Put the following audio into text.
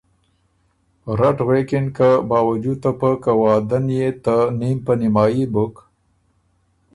رټ غوېکِن که ”باؤجود ته پۀ که وعدۀ ن يې بُو ته نیم په نیمايي بُک“